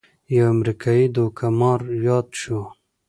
یو امریکايي دوکه مار یاد شو.